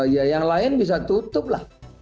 ya yang lain bisa tutup lah